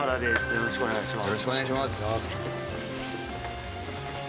よろしくお願いします。